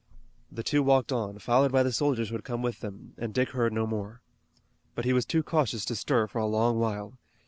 The two walked on, followed by the soldiers who had come with them, and Dick heard no more. But he was too cautious to stir for a long while.